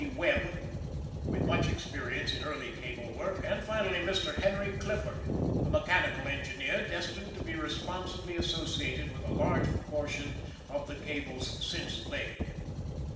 Webb, with much experience in early cable work; and, finally, Mr. Henry Clifford, a mechanical engineer, destined to be responsibly associated with a large proportion of the cables since laid.